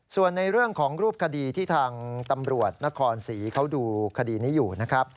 ส่วนในเรื่องของรูปคดีที่ทางตำรวจนครศรีเขาดูคดีนี้อยู่นะครับ